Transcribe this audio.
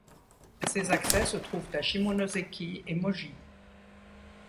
Ses accès se trouvent à Shimonoseki et Moji.